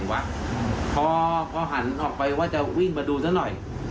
แล้วชนโต๊ะกระเต้นออกไปหมดเลย